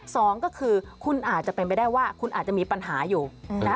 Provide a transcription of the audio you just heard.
สองก็คือคุณอาจจะเป็นไปได้ว่าคุณอาจจะมีปัญหาอยู่นะคะ